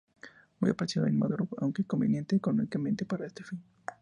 Muy apreciado inmaduro aunque inconveniente económicamente para este fin.